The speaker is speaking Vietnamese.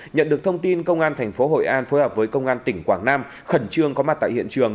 nhận được thông tin công an tp hội an phối hợp với công an tỉnh quảng nam khẩn trương có mặt tại hiện trường